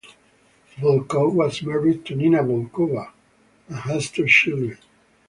Volkov was married to Nina Volkova and has two children.